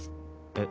えっ？